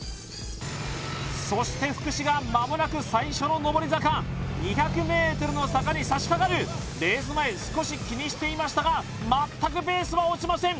そして福士が間もなく最初の上り坂２００ｍの坂に差し掛かるレース前少し気にしていましたが全くペースは落ちません